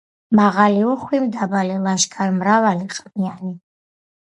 მაღალი, უხვი, მდაბალი, ლაშქარ-მრავალი, ყმიანი.